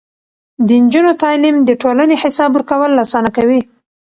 د نجونو تعليم د ټولنې حساب ورکول اسانه کوي.